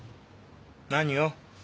何を？